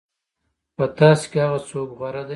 په تاسو کې هغه څوک غوره دی.